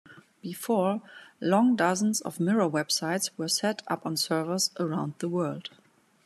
Before long dozens of mirror websites were set up on servers around the world.